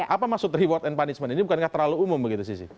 apa maksud reward and punishment ini bukankah terlalu umum begitu sisi